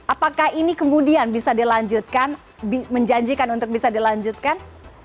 apakah ini kemudian bisa dilanjutkan menjanjikan untuk bisa dilanjutkan